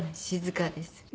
静かです。